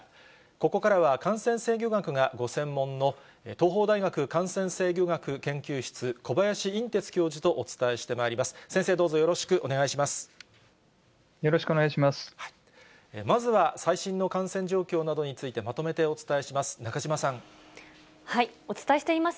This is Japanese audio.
ここからは感染制御学がご専門の東邦大学感染制御学研究室、小林寅てつ教授とお伝えしてまいります。